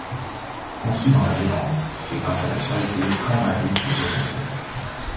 Conçue dans la violence, c'est grâce à la charité qu'An-Magritt doit son salut.